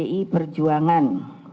sama bagi pdi perjuangan